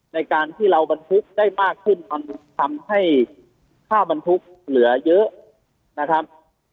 ในการที่เราบรรทุกได้มากขึ้นมันทำให้ค่าบรรทุกเหลือเยอะนะครับ